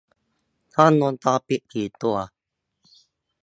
กล้องวงจรปิดกี่ตัว